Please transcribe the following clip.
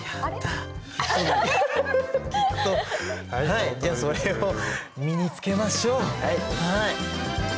はいじゃあそれを身につけましょう。